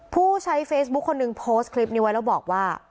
ผู้ใช้เฟซบุ๊คคนหนึ่งโพสต์คลิปนี้ไว้แล้วบอกว่า